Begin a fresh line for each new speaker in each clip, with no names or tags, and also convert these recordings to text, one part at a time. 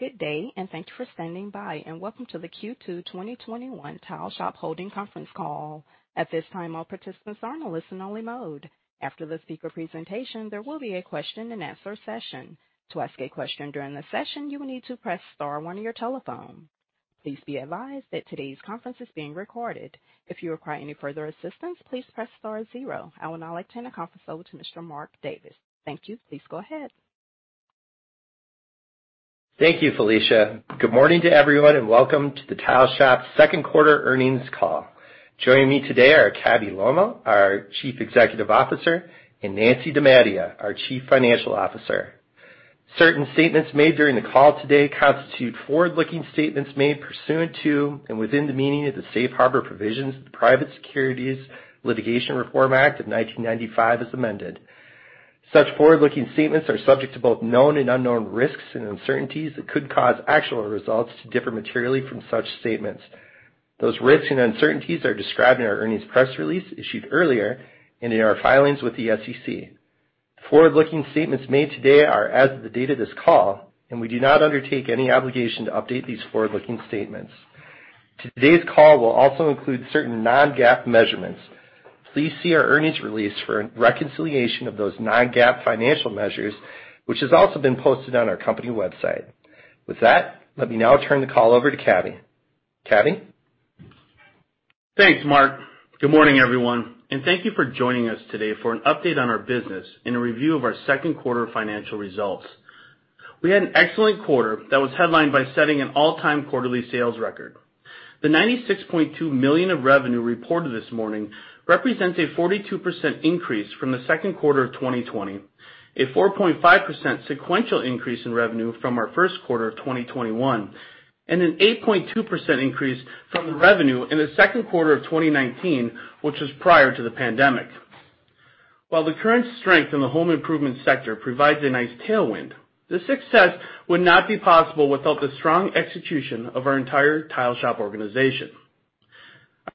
Good day, and thank you for standing by, and welcome to the Q2 2021 Tile Shop Holdings conference call. At this time, all participants are in listen only mode. After the speaker presentation, there will be a question and answer session. To ask a question during the session, you will need to press star one on your telephone. Please be advised that today's conference is being recorded. If you require any further assistance, please press star zero. I would now like turn the conference over to Mr. Mark Davis. Thank you. Please go ahead.
Thank you, Felicia. Good morning to everyone, and welcome to the Tile Shop second quarter earnings call. Joining me today are Cabell Lolmaugh, our Chief Executive Officer, and Nancy DiMattia, our Chief Financial Officer. Certain statements made during the call today constitute forward-looking statements made pursuant to and within the meaning of the safe harbor provisions of the Private Securities Litigation Reform Act of 1995 as amended. Such forward-looking statements are subject to both known and unknown risks and uncertainties that could cause actual results to differ materially from such statements. Those risks and uncertainties are described in our earnings press release issued earlier and in our filings with the SEC. Forward-looking statements made today are as of the date of this call, and we do not undertake any obligation to update these forward-looking statements. Today's call will also include certain non-GAAP measurements. Please see our earnings release for a reconciliation of those non-GAAP financial measures, which has also been posted on our company website. With that, let me now turn the call over to Cabell. Cabell?
Thanks, Mark. Good morning, everyone, and thank you for joining us today for an update on our business and a review of our second quarter financial results. We had an excellent quarter that was headlined by setting an all-time quarterly sales record. The $96.2 million of revenue reported this morning represents a 42% increase from the second quarter of 2020, a 4.5% sequential increase in revenue from our first quarter of 2021, and an 8.2% increase from the revenue in the second quarter of 2019, which was prior to the pandemic. While the current strength in the home improvement sector provides a nice tailwind, this success would not be possible without the strong execution of our entire Tile Shop organization.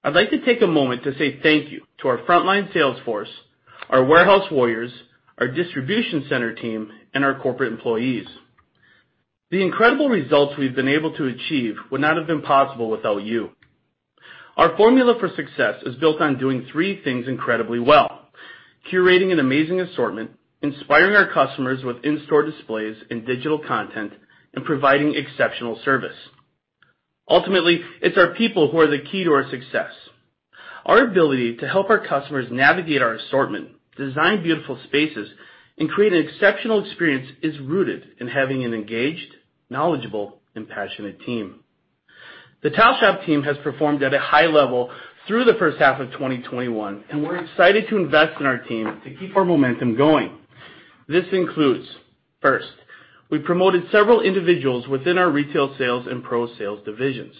I'd like to take a moment to say thank you to our frontline sales force, our warehouse warriors, our distribution center team, and our corporate employees. The incredible results we've been able to achieve would not have been possible without you. Our formula for success is built on doing three things incredibly well, curating an amazing assortment, inspiring our customers with in-store displays and digital content, and providing exceptional service. Ultimately, it's our people who are the key to our success. Our ability to help our customers navigate our assortment, design beautiful spaces, and create an exceptional experience is rooted in having an engaged, knowledgeable, and passionate team. The Tile Shop team has performed at a high level through the first half of 2021, and we're excited to invest in our team to keep our momentum going. This includes, first, we promoted several individuals within our retail sales and pro sales divisions.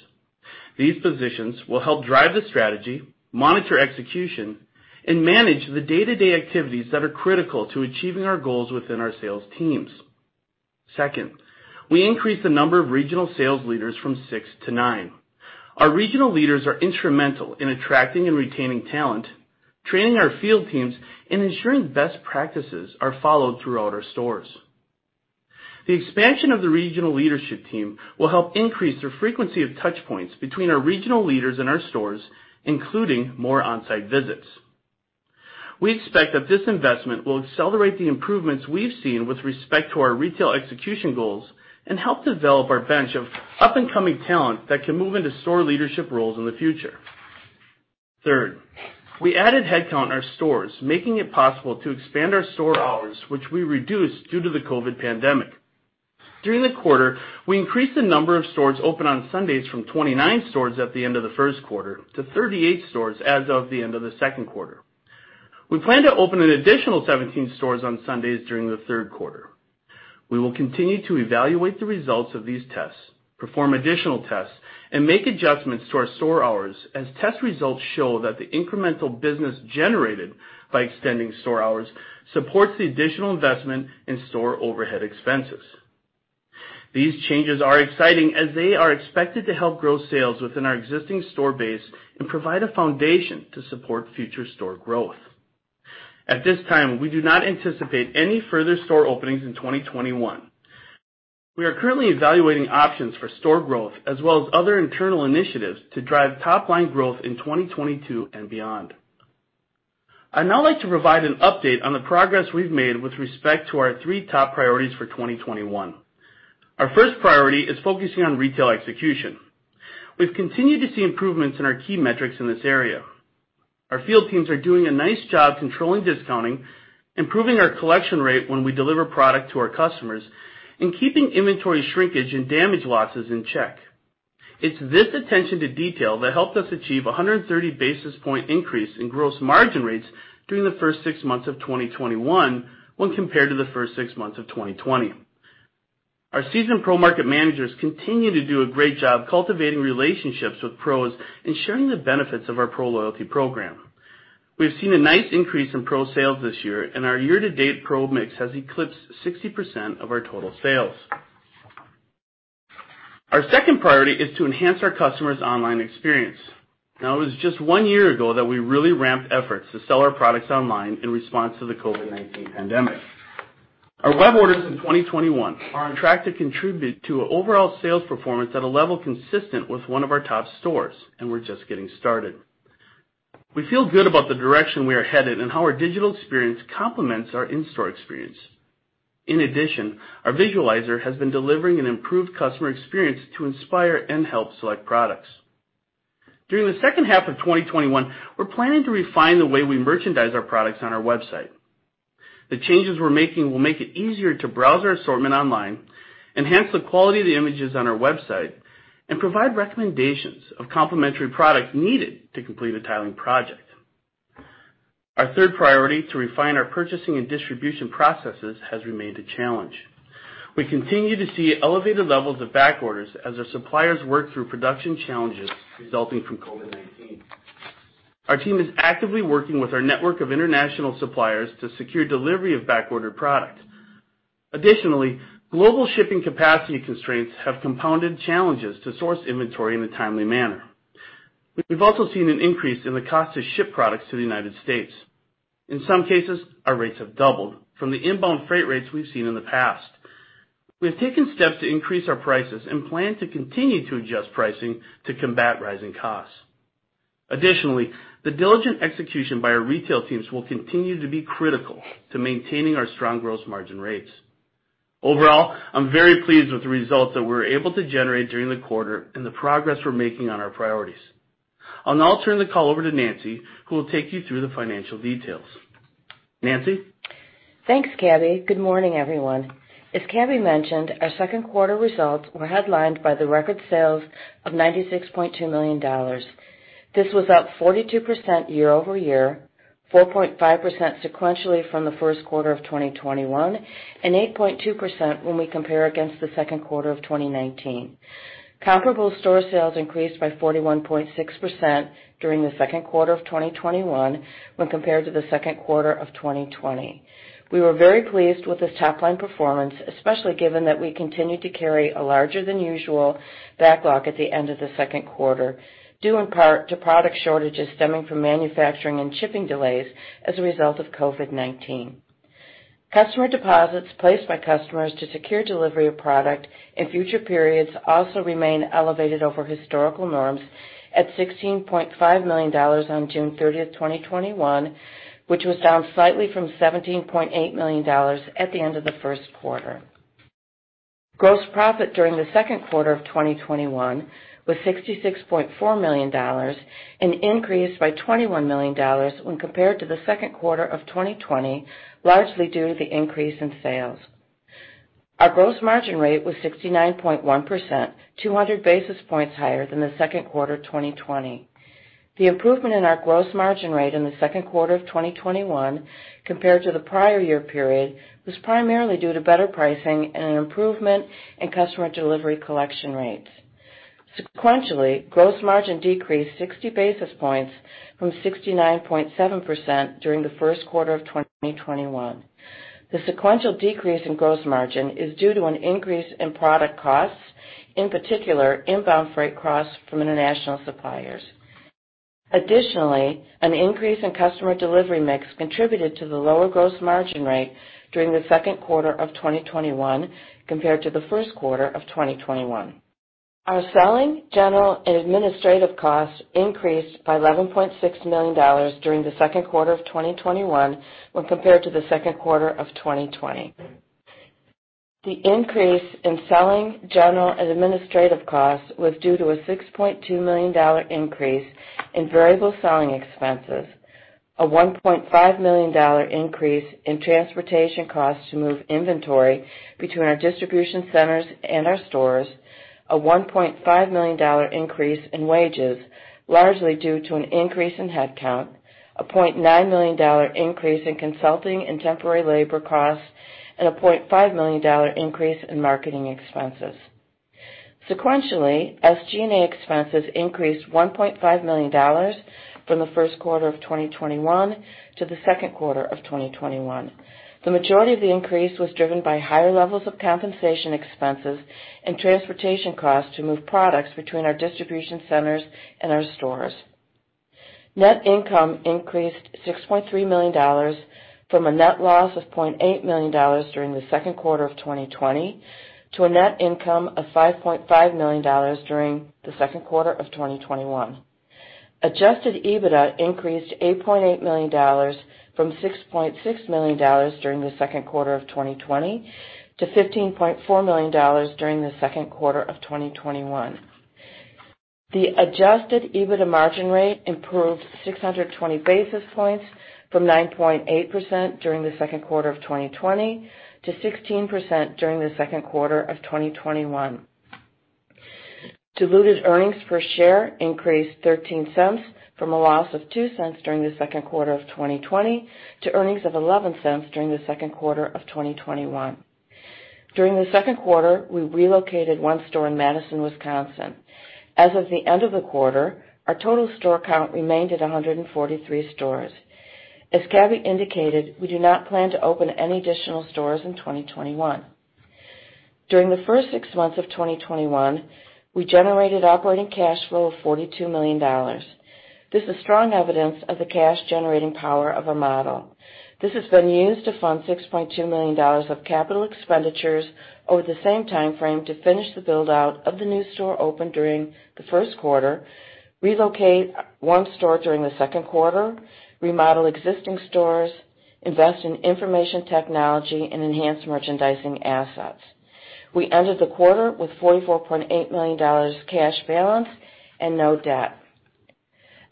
These positions will help drive the strategy, monitor execution, and manage the day-to-day activities that are critical to achieving our goals within our sales teams. Second, we increased the number of regional sales leaders from 6-9. Our regional leaders are instrumental in attracting and retaining talent, training our field teams, and ensuring best practices are followed throughout our stores. The expansion of the regional leadership team will help increase the frequency of touch points between our regional leaders and our stores, including more on-site visits. We expect that this investment will accelerate the improvements we've seen with respect to our retail execution goals and help develop our bench of up-and-coming talent that can move into store leadership roles in the future. Third, we added headcount in our stores, making it possible to expand our store hours, which we reduced due to the COVID-19 pandemic. During the quarter, we increased the number of stores open on Sundays from 29 stores at the end of the first quarter to 38 stores as of the end of the second quarter. We plan to open an additional 17 stores on Sundays during the third quarter. We will continue to evaluate the results of these tests, perform additional tests, and make adjustments to our store hours as test results show that the incremental business generated by extending store hours supports the additional investment in store overhead expenses. These changes are exciting as they are expected to help grow sales within our existing store base and provide a foundation to support future store growth. At this time, we do not anticipate any further store openings in 2021. We are currently evaluating options for store growth as well as other internal initiatives to drive top-line growth in 2022 and beyond. I'd now like to provide an update on the progress we've made with respect to our three top priorities for 2021. Our first priority is focusing on retail execution. We've continued to see improvements in our key metrics in this area. Our field teams are doing a nice job controlling discounting, improving our collection rate when we deliver product to our customers, and keeping inventory shrinkage and damage losses in check. It's this attention to detail that helped us achieve 130 basis point increase in gross margin rates during the first six months of 2021 when compared to the first six months of 2020. Our seasoned pro-market managers continue to do a great job cultivating relationships with pros and sharing the benefits of our pro loyalty program. We have seen a nice increase in pro sales this year, and our year-to-date pro mix has eclipsed 60% of our total sales. Our second priority is to enhance our customers' online experience. Now, it was just one year ago that we really ramped efforts to sell our products online in response to the COVID-19 pandemic. Our web orders in 2021 are on track to contribute to overall sales performance at a level consistent with one of our top stores, and we're just getting started. We feel good about the direction we are headed and how our digital experience complements our in-store experience. In addition, our visualizer has been delivering an improved customer experience to inspire and help select products. During the second half of 2021, we're planning to refine the way we merchandise our products on our website. The changes we're making will make it easier to browse our assortment online, enhance the quality of the images on our website, and provide recommendations of complementary products needed to complete a tiling project. Our third priority, to refine our purchasing and distribution processes, has remained a challenge. We continue to see elevated levels of back orders as our suppliers work through production challenges resulting from COVID-19. Our team is actively working with our network of international suppliers to secure delivery of backordered product. Additionally, global shipping capacity constraints have compounded challenges to source inventory in a timely manner. We've also seen an increase in the cost to ship products to the United States. In some cases, our rates have doubled from the inbound freight rates we've seen in the past. We have taken steps to increase our prices and plan to continue to adjust pricing to combat rising costs. Additionally, the diligent execution by our retail teams will continue to be critical to maintaining our strong gross margin rates. Overall, I'm very pleased with the results that we were able to generate during the quarter and the progress we're making on our priorities. I'll now turn the call over to Nancy, who will take you through the financial details. Nancy?
Thanks, Cabell. Good morning, everyone. As Cabell mentioned, our second quarter results were headlined by the record sales of $96.2 million. This was up 42% year-over-year, 4.5% sequentially from the first quarter of 2021, and 8.2% when we compare against the second quarter of 2019. Comparable store sales increased by 41.6% during the second quarter of 2021 when compared to the second quarter of 2020. We were very pleased with this top-line performance, especially given that we continued to carry a larger than usual backlog at the end of the second quarter, due in part to product shortages stemming from manufacturing and shipping delays as a result of COVID-19. Customer deposits placed by customers to secure delivery of product in future periods also remain elevated over historical norms at $16.5 million on June 30th, 2021, which was down slightly from $17.8 million at the end of the first quarter. Gross profit during the second quarter of 2021 was $66.4 million, an increase by $21 million when compared to the second quarter of 2020, largely due to the increase in sales. Our gross margin rate was 69.1%, 200 basis points higher than the second quarter 2020. The improvement in our gross margin rate in the second quarter of 2021 compared to the prior year period was primarily due to better pricing and an improvement in customer delivery collection rates. Sequentially, gross margin decreased 60 basis points from 69.7% during the first quarter of 2021. The sequential decrease in gross margin is due to an increase in product costs, in particular, inbound freight costs from international suppliers. An increase in customer delivery mix contributed to the lower gross margin rate during the second quarter of 2021 compared to the first quarter of 2021. Our selling, general, and administrative costs increased by $11.6 million during the second quarter of 2021 when compared to the second quarter of 2020. The increase in selling, general, and administrative costs was due to a $6.2 million increase in variable selling expenses, a $1.5 million increase in transportation costs to move inventory between our distribution centers and our stores, a $1.5 million increase in wages, largely due to an increase in head count, a $0.9 million increase in consulting and temporary labor costs, and a $0.5 million increase in marketing expenses. Sequentially, SG&A expenses increased $1.5 million from the first quarter of 2021 to the second quarter of 2021. The majority of the increase was driven by higher levels of compensation expenses and transportation costs to move products between our distribution centers and our stores. Net income increased $6.3 million from a net loss of $0.8 million during the second quarter of 2020 to a net income of $5.5 million during the second quarter of 2021. Adjusted EBITDA increased $8.8 million from $6.6 million during the second quarter of 2020 to $15.4 million during the second quarter of 2021. The adjusted EBITDA margin rate improved 620 basis points from 9.8% during the second quarter of 2020 to 16% during the second quarter of 2021. Diluted earnings per share increased $0.13 from a loss of $0.02 during the second quarter of 2020 to earnings of $0.11 during the second quarter of 2021. During the second quarter, we relocated one store in Madison, Wisconsin. As of the end of the quarter, our total store count remained at 143 stores. As Cabell Lolmaugh indicated, we do not plan to open any additional stores in 2021. During the first six months of 2021, we generated operating cash flow of $42 million. This is strong evidence of the cash-generating power of our model. This has been used to fund $6.2 million of capital expenditures over the same timeframe to finish the build-out of the new store opened during the first quarter, relocate one store during the second quarter, remodel existing stores, invest in information technology, and enhance merchandising assets. We ended the quarter with $44.8 million cash balance and no debt.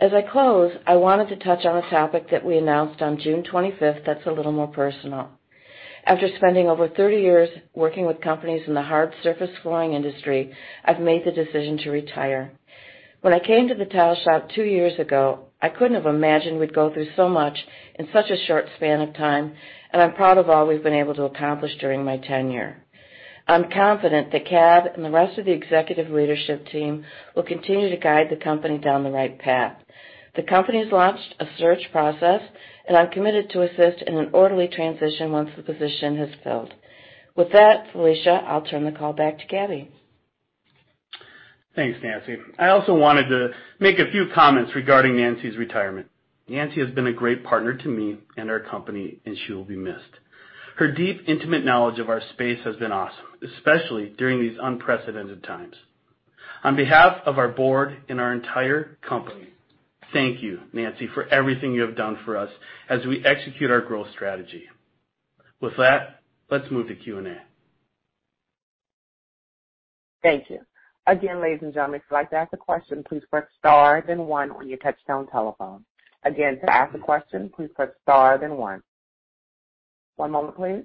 As I close, I wanted to touch on a topic that we announced on June 25th that's a little more personal. After spending over 30 years working with companies in the hard surface flooring industry, I've made the decision to retire. When I came to The Tile Shop two years ago, I couldn't have imagined we'd go through so much in such a short span of time, and I'm proud of all we've been able to accomplish during my tenure. I'm confident that Cabell and the rest of the executive leadership team will continue to guide the company down the right path. The company's launched a search process. I'm committed to assist in an orderly transition once the position has filled. With that, Felicia, I'll turn the call back to Cabell.
Thanks, Nancy. I also wanted to make a few comments regarding Nancy's retirement. Nancy has been a great partner to me and our company, and she will be missed. Her deep, intimate knowledge of our space has been awesome, especially during these unprecedented times. On behalf of our board and our entire company, thank you, Nancy, for everything you have done for us as we execute our growth strategy. With that, let's move to Q&A.
Thank you. Again, ladies and gentlemen, if you'd like to ask a question, please press star then one on your touchtone telephone. Again, to ask a question, please press star then one. One moment, please.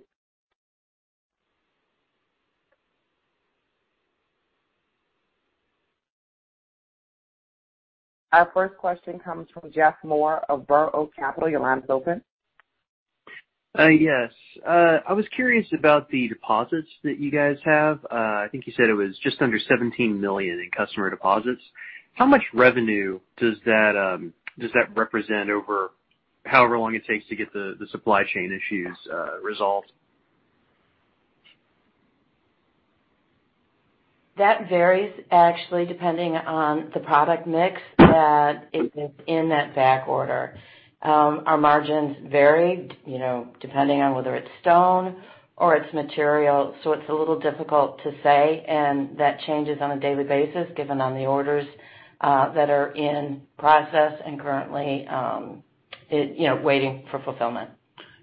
Our first question comes from Jeff Moore of Burr Oak Capital. Your line is open.
Yes. I was curious about the deposits that you guys have. I think you said it was just under $17 million in customer deposits. How much revenue does that represent over however long it takes to get the supply chain issues resolved?
That varies, actually, depending on the product mix that is in that back order. Our margins vary depending on whether it's stone or it's material, so it's a little difficult to say, and that changes on a daily basis given on the orders that are in process and currently waiting for fulfillment.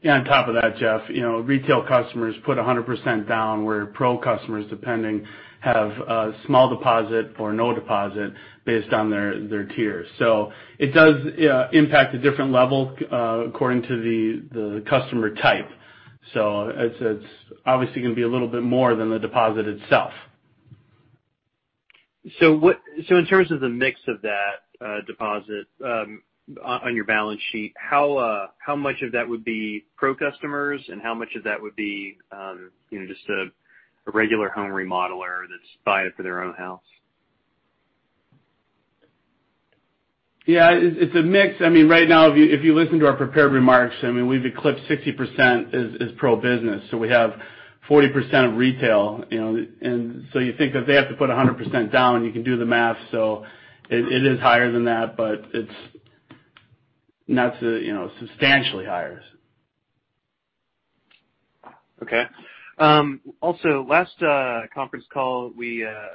Yeah. On top of that, Jeff, retail customers put 100% down, where pro customers, depending, have a small deposit or no deposit based on their tiers. It does impact a different level according to the customer type. It's obviously going to be a little bit more than the deposit itself.
In terms of the mix of that deposit on your balance sheet, how much of that would be pro customers, and how much of that would be just a regular home remodeler that's buying it for their own house?
Yeah. It's a mix. Right now, if you listen to our prepared remarks, we've eclipsed 60% is pro business, so we have 40% retail. You think that they have to put 100% down, you can do the math. It is higher than that, but it's not substantially higher.
Okay. Also, last conference call,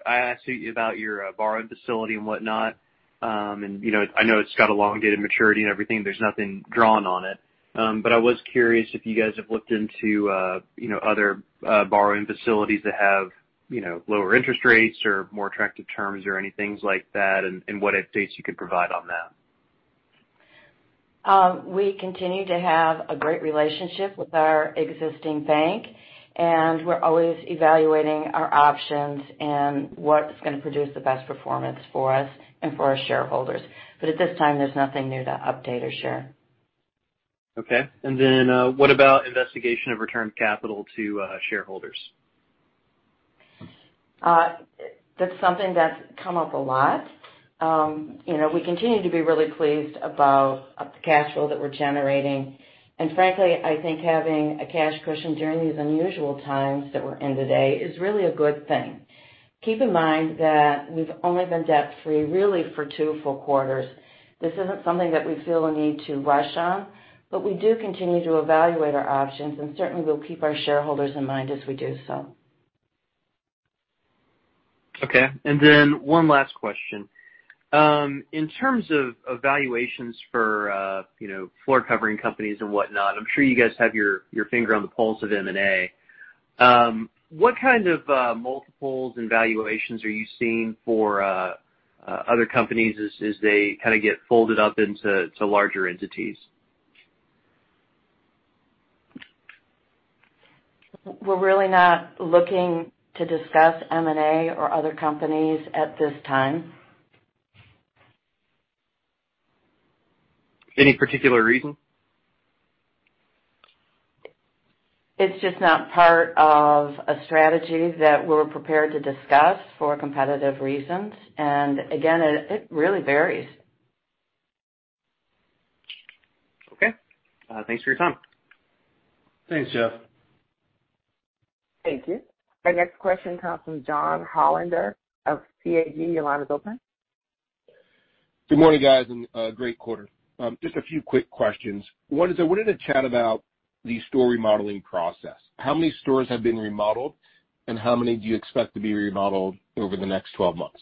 I asked you about your borrowing facility and whatnot, and I know it's got elongated maturity and everything. There's nothing drawn on it. I was curious if you guys have looked into other borrowing facilities that have lower interest rates or more attractive terms or any things like that, and what updates you could provide on that.
We continue to have a great relationship with our existing bank, and we're always evaluating our options and what's going to produce the best performance for us and for our shareholders. At this time, there's nothing new to update or share.
Okay. What about investigation of return capital to shareholders?
That's something that's come up a lot. We continue to be really pleased about the cash flow that we're generating. Frankly, I think having a cash cushion during these unusual times that we're in today is really a good thing. Keep in mind that we've only been debt-free really for two full quarters. This isn't something that we feel a need to rush on, but we do continue to evaluate our options, and certainly, we'll keep our shareholders in mind as we do so.
Okay. One last question. In terms of valuations for floor covering companies and whatnot, I'm sure you guys have your finger on the pulse of M&A. What kind of multiples and valuations are you seeing for other companies as they kind of get folded up into larger entities?
We're really not looking to discuss M&A or other companies at this time.
Any particular reason?
It's just not part of a strategy that we're prepared to discuss for competitive reasons. Again, it really varies.
Okay. Thanks for your time.
Thanks, Jeff.
Thank you. Our next question comes from Jonathan Hollander of CAG. Your line is open.
Good morning, guys, and great quarter. Just a few quick questions. I wanted to chat about the store remodeling process. How many stores have been remodeled, and how many do you expect to be remodeled over the next 12 months?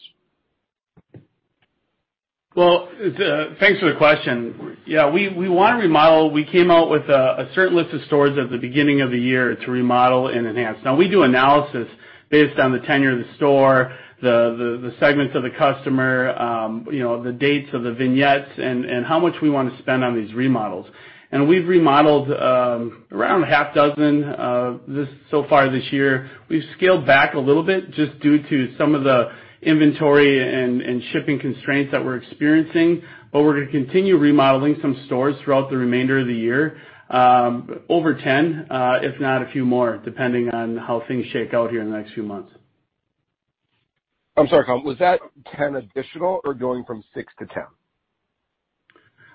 Well, thanks for the question. Yeah, we want to remodel. We came out with a certain list of stores at the beginning of the year to remodel and enhance. Now we do analysis based on the tenure of the store, the segments of the customer, the dates of the vignettes, and how much we want to spend on these remodels. We've remodeled around a half dozen so far this year. We've scaled back a little bit just due to some of the inventory and shipping constraints that we're experiencing. We're going to continue remodeling some stores throughout the remainder of the year, over 10, if not a few more, depending on how things shake out here in the next few months.
I'm sorry, Jonathan Hollander, was that 10 additional or going from 6-10?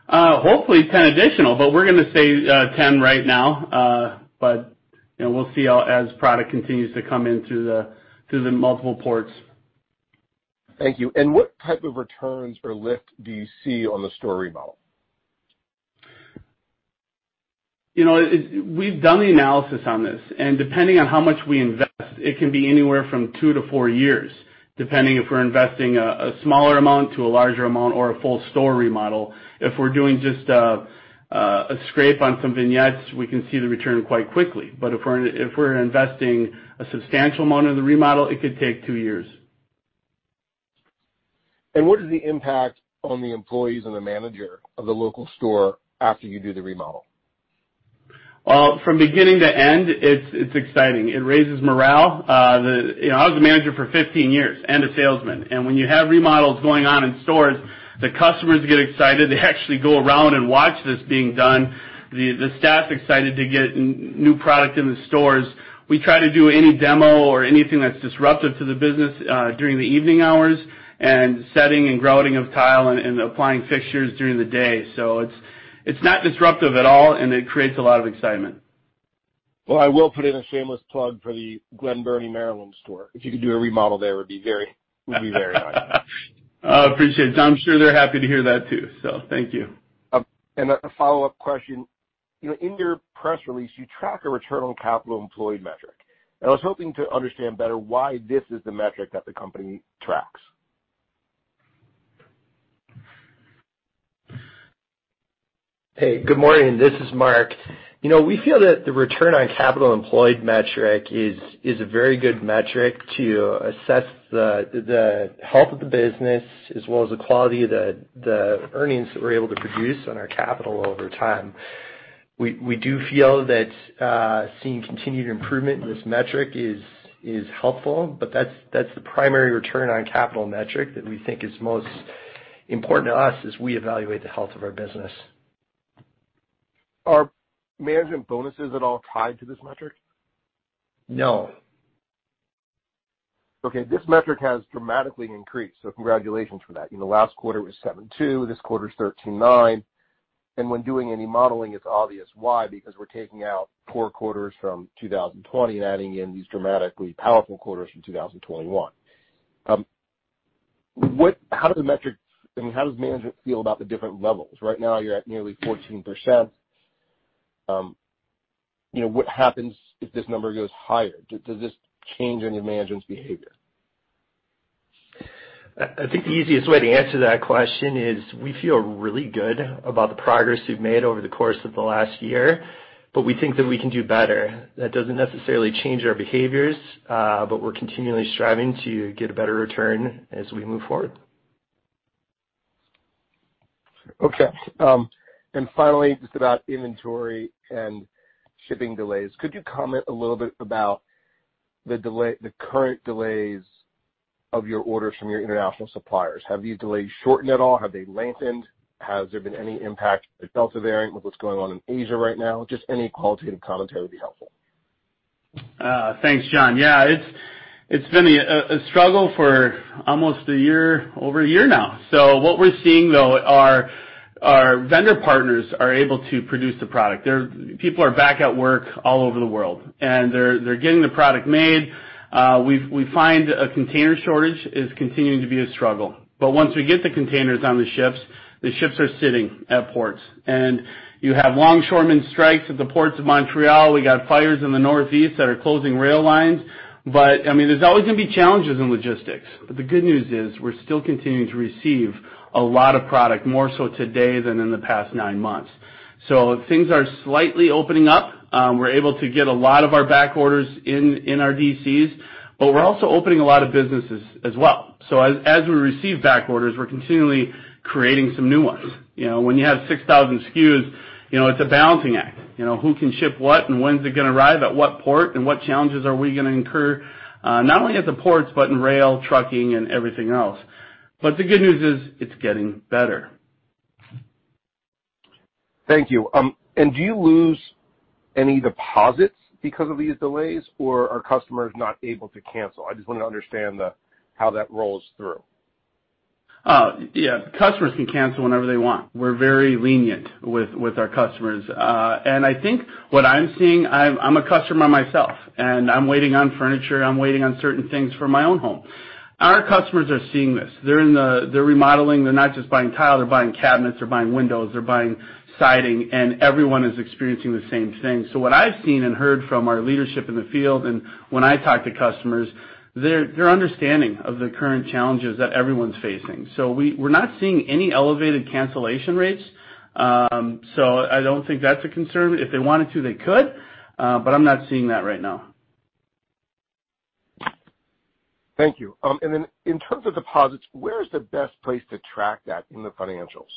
Hopefully 10 additional, but we're going to say 10 right now. We'll see as product continues to come in through the multiple ports.
Thank you. What type of returns or lift do you see on the store remodel?
We've done the analysis on this. Depending on how much we invest, it can be anywhere from 2-4 years, depending if we're investing a smaller amount to a larger amount or a full store remodel. If we're doing just a scrape on some vignettes, we can see the return quite quickly. If we're investing a substantial amount of the remodel, it could take two years.
What is the impact on the employees and the manager of the local store after you do the remodel?
From beginning to end, it's exciting. It raises morale. I was a manager for 15 years and a salesman, and when you have remodels going on in stores, the customers get excited. They actually go around and watch this being done. The staff's excited to get new product in the stores. We try to do any demo or anything that's disruptive to the business during the evening hours and setting and grouting of tile and applying fixtures during the day. It's not disruptive at all, and it creates a lot of excitement.
I will put in a shameless plug for the Glen Burnie, Maryland store. If you could do a remodel there, it would be very nice.
Appreciate it, John. I'm sure they're happy to hear that, too. Thank you.
A follow-up question. In your press release, you track a return on capital employed metric, and I was hoping to understand better why this is the metric that the company tracks.
Hey, good morning, this is Mark. We feel that the return on capital employed metric is a very good metric to assess the health of the business as well as the quality of the earnings that we're able to produce on our capital over time. We do feel that seeing continued improvement in this metric is helpful, but that's the primary return on capital metric that we think is most important to us as we evaluate the health of our business.
Are management bonuses at all tied to this metric?
No.
Okay, this metric has dramatically increased, so congratulations for that. Last quarter, it was 72%. This quarter is 13.9%. When doing any modeling, it's obvious why, because we're taking out poor quarters from 2020 and adding in these dramatically powerful quarters from 2021. How does management feel about the different levels? Right now, you're at nearly 14%. What happens if this number goes higher? Does this change any of management's behavior?
I think the easiest way to answer that question is we feel really good about the progress we've made over the course of the last year, but we think that we can do better. That doesn't necessarily change our behaviors, but we're continually striving to get a better return as we move forward.
Okay. Finally, just about inventory and shipping delays. Could you comment a little bit about the current delays of your orders from your international suppliers? Have these delays shortened at all? Have they lengthened? Has there been any impact with the Delta variant, with what's going on in Asia right now? Just any qualitative commentary would be helpful.
Thanks, John. Yeah, it's been a struggle for almost one year, over one year now. What we're seeing, though, our vendor partners are able to produce the product. People are back at work all over the world, and they're getting the product made. We find a container shortage is continuing to be a struggle. Once we get the containers on the ships, the ships are sitting at ports. You have longshoremen strikes at the ports of Montreal. We got fires in the Northwest that are closing rail lines. There's always going to be challenges in logistics. The good news is we're still continuing to receive a lot of product, more so today than in the past nine months. Things are slightly opening up. We're able to get a lot of our back orders in our DCs. We're also opening a lot of businesses as well. As we receive back orders, we're continually creating some new ones. When you have 6,000 SKUs, it's a balancing act. Who can ship what, and when's it going to arrive at what port, and what challenges are we going to incur, not only at the ports, but in rail, trucking, and everything else. The good news is it's getting better.
Thank you. Do you lose any deposits because of these delays, or are customers not able to cancel? I just want to understand how that rolls through.
Yeah. Customers can cancel whenever they want. We're very lenient with our customers. I think what I'm seeing, I'm a customer myself, and I'm waiting on furniture, I'm waiting on certain things for my own home. Our customers are seeing this. They're remodeling. They're not just buying tile, they're buying cabinets, they're buying windows, they're buying siding, and everyone is experiencing the same thing. What I've seen and heard from our leadership in the field, and when I talk to customers, they're understanding of the current challenges that everyone's facing. We're not seeing any elevated cancellation rates. I don't think that's a concern. If they wanted to, they could, but I'm not seeing that right now.
Thank you. In terms of deposits, where is the best place to track that in the financials?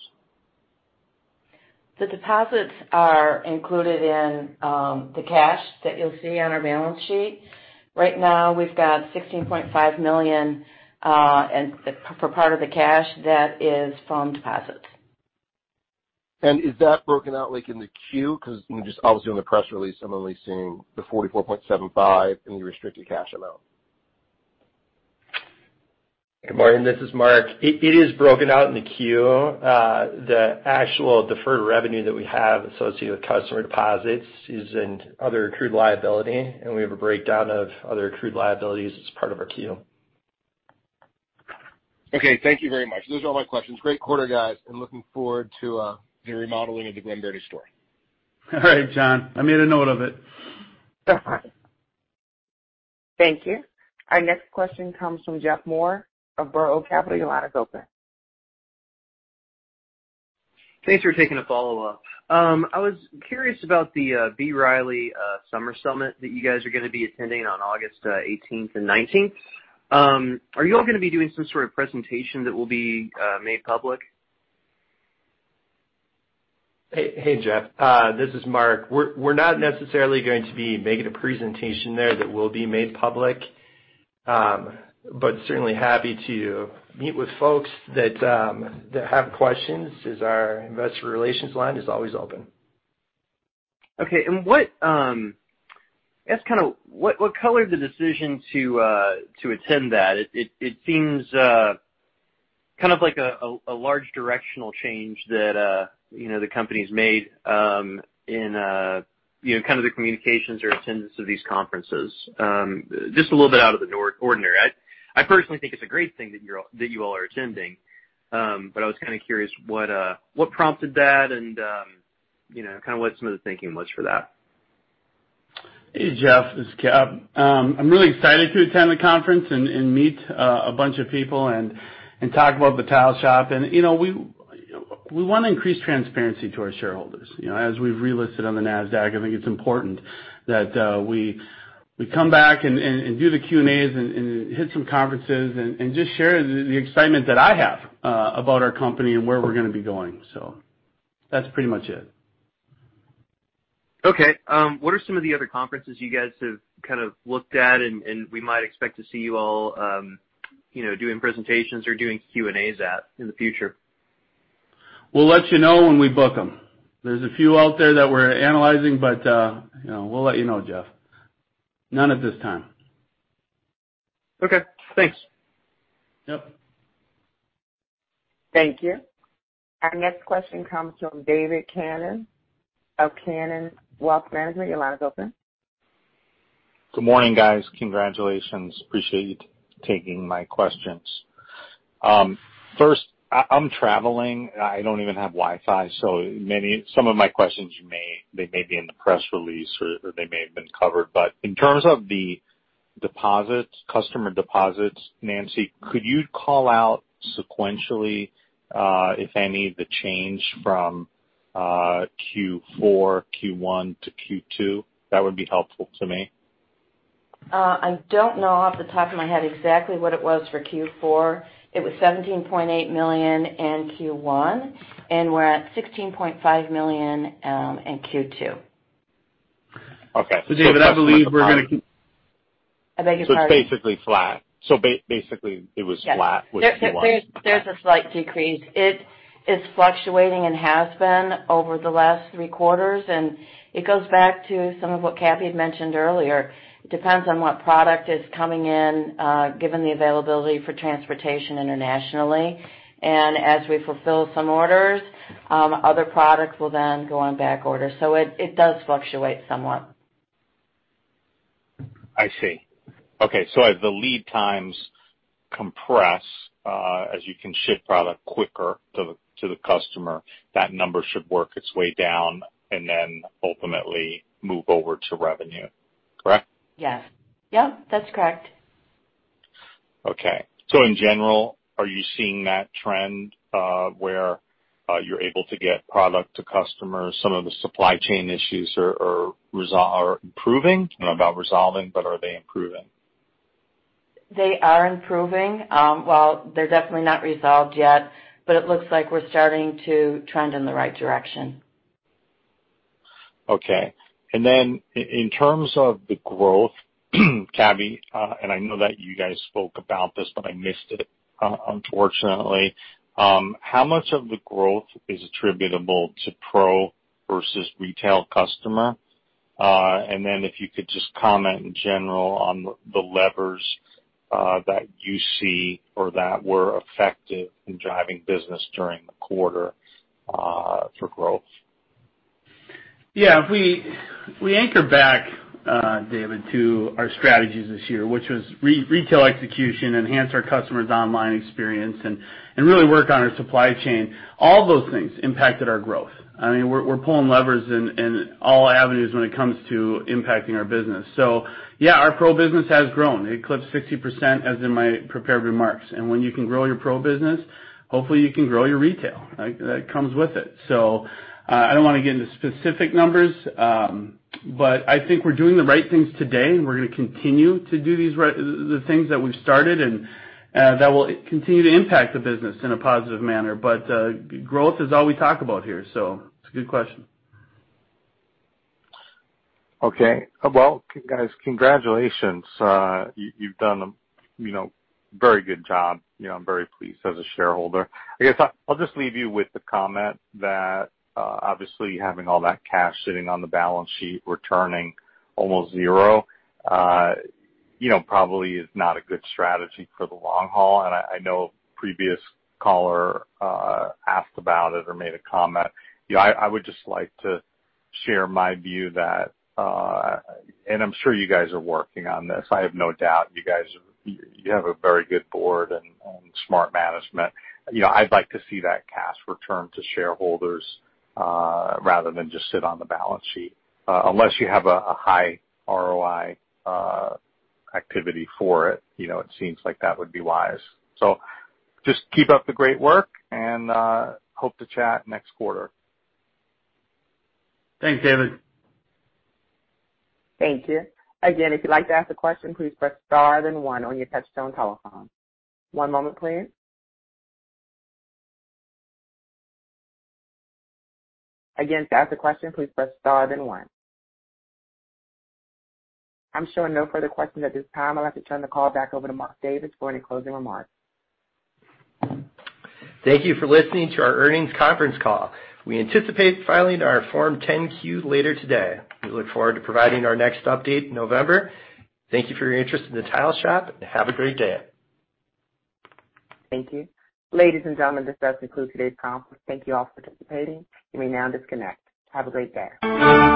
The deposits are included in the cash that you'll see on our balance sheet. Right now, we've got $16.5 million, and for part of the cash, that is from deposits.
Is that broken out in the Q? Because obviously on the press release, I'm only seeing the $44.75 in the restricted cash amount.
Good morning, this is Mark. It is broken out in the Q. The actual deferred revenue that we have associated with customer deposits is in other accrued liability, and we have a breakdown of other accrued liabilities as part of our Q.
Okay. Thank you very much. Those are all my questions. Great quarter, guys, and looking forward to the remodeling of the Glen Burnie store.
All right, John, I made a note of it.
Thank you. Our next question comes from Jeff Moore of Burr Oak Capital. Your line is open.
Thanks for taking the follow-up. I was curious about the B. Riley Securities Summer Summit that you guys are going to be attending on August 18th-9th. Are you all going to be doing some sort of presentation that will be made public?
Hey, Jeff. This is Mark. We're not necessarily going to be making a presentation there that will be made public. Certainly happy to meet with folks that have questions, as our investor relations line is always open.
Okay. What colored the decision to attend that? It seems like a large directional change that the company's made in the communications or attendance of these conferences, just a little bit out of the ordinary. I personally think it's a great thing that you all are attending. I was kind of curious what prompted that and what some of the thinking was for that.
Hey, Jeff Moore. This is Cabell. I'm really excited to attend the conference and meet a bunch of people and talk about the Tile Shop. We want to increase transparency to our shareholders. As we've relisted on the NASDAQ, I think it's important that we come back and do the Q&As and hit some conferences and just share the excitement that I have about our company and where we're going to be going. That's pretty much it.
What are some of the other conferences you guys have looked at, and we might expect to see you all doing presentations or doing Q&As at in the future?
We'll let you know when we book them. There's a few out there that we're analyzing, but we'll let you know, Jeff. None at this time.
Okay. Thanks.
Yep.
Thank you. Our next question comes from David Kanen of Kanen Wealth Management. Your line is open.
Good morning, guys. Congratulations. Appreciate you taking my questions. First, I'm traveling. I don't even have Wi-Fi, so some of my questions, they may be in the press release or they may have been covered. In terms of the customer deposits, Nancy, could you call out sequentially, if any, the change from Q4, Q1 to Q2? That would be helpful to me.
I don't know off the top of my head exactly what it was for Q4. It was $17.8 million in Q1, and we're at $16.5 million in Q2.
Okay.
David.
I beg your pardon?
It's basically flat. Basically, it was flat with Q1.
There's a slight decrease. It is fluctuating and has been over the last three quarters. It goes back to some of what Cab had mentioned earlier. It depends on what product is coming in, given the availability for transportation internationally. As we fulfill some orders, other products will then go on backorder. It does fluctuate somewhat.
I see. Okay. As the lead times compress, as you can ship product quicker to the customer, that number should work its way down and then ultimately move over to revenue, correct?
Yes. Yep, that's correct.
Okay. In general, are you seeing that trend, where you're able to get product to customers? Some of the supply chain issues are improving? I don't know about resolving, but are they improving?
They are improving. Well, they're definitely not resolved yet, but it looks like we're starting to trend in the right direction.
Okay. In terms of the growth, Cabell, I know that you guys spoke about this, but I missed it, unfortunately. How much of the growth is attributable to pro versus retail customer? If you could just comment in general on the levers that you see or that were effective in driving business during the quarter for growth.
Yeah. We anchor back, David, to our strategies this year, which was retail execution, enhance our customers' online experience and really work on our supply chain. All those things impacted our growth. We're pulling levers in all avenues when it comes to impacting our business. Yeah, our pro business has grown. It eclipsed 60%, as in my prepared remarks. When you can grow your pro business, hopefully, you can grow your retail that comes with it. I don't want to get into specific numbers, but I think we're doing the right things today, and we're going to continue to do the things that we've started, and that will continue to impact the business in a positive manner. Growth is all we talk about here, so it's a good question.
Guys, congratulations. You've done a very good job. I'm very pleased as a shareholder. I guess I'll just leave you with the comment that, obviously, having all that cash sitting on the balance sheet returning almost 0 probably is not a good strategy for the long haul, and I know a previous caller asked about it or made a comment. I would just like to share my view that, and I'm sure you guys are working on this. I have no doubt you have a very good board and smart management. I'd like to see that cash return to shareholders, rather than just sit on the balance sheet. Unless you have a high ROI activity for it seems like that would be wise. Just keep up the great work and hope to chat next quarter.
Thanks, David.
Thank you. Again, if you'd like to ask a question, please press star then one on your touchtone telephone. One moment please. Again, to ask a question, please press star then one. I'm showing no further questions at this time. I'd like to turn the call back over to Mark Davis for any closing remarks.
Thank you for listening to our earnings conference call. We anticipate filing our Form 10-Q later today. We look forward to providing our next update in November. Thank you for your interest in the Tile Shop, and have a great day.
Thank you. Ladies and gentlemen, this does conclude today's conference. Thank you all for participating. You may now disconnect. Have a great day.